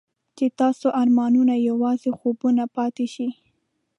چې ستاسو ارمانونه یوازې خوبونه پاتې شي.